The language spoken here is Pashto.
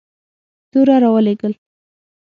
توره را ولېږل.